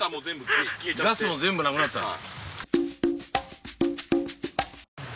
ガスも全部なくなったな。